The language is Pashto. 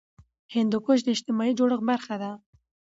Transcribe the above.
هندوکش د اجتماعي جوړښت برخه ده.